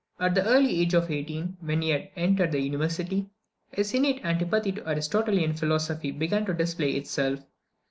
At the early age of eighteen, when he had entered the university, his innate antipathy to the Aristotelian philosophy began to display itself.